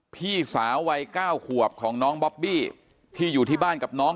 พี่สาววัย๙ขวบของน้องบอบบี้ที่อยู่ที่บ้านกับน้อง